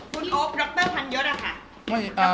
คุณโอ๊ครักเตอร์ทันเยอะหรอค่ะ